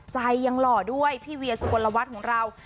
ใจยังหล่อด้วยพี่เวียสุกลวัฒน์ของเรา